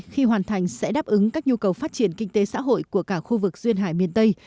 khi hoàn thành sẽ đáp ứng các nhu cầu phát triển kinh tế xã hội của cả khu vực duyên hải miền tây